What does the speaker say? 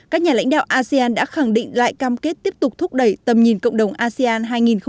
các nhà lãnh đạo asean đã khẳng định lại cam kết tiếp tục thúc đẩy tầm nhìn cộng đồng asean hai nghìn hai mươi năm